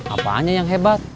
apa aja yang hebat